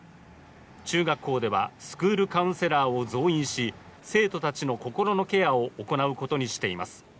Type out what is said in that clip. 中学校では、スクールカウンセラーを増員し生徒たちの心のケアを行うことにしています。